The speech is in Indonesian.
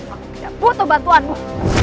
aku tidak butuh bantuanmu